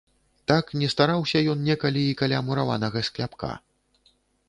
Так не стараўся ён некалі і каля мураванага скляпка.